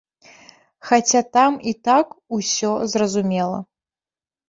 Хаця там і так усё зразумела.